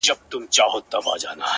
پرون دي بيا راته غمونه راكړل-